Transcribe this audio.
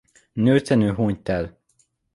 Nőtlenül hunyt el.